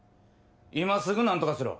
今すぐなんとかしろ！